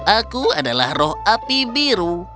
aku adalah roh api biru